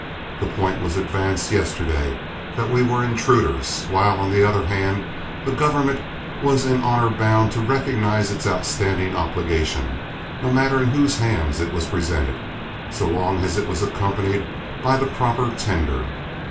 "The point was advanced yesterday that we were intruders, while, on the other hand, the government was in honor bound to recognize its outstanding obligation, no matter in whose hands it was presented, so long as it was accompanied by the proper tender.